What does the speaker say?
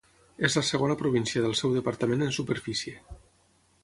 És la segona província del seu departament en superfície.